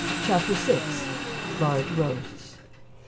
CHAPTER VI. LARGE ROASTS.